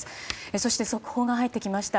そして、速報が入ってきました。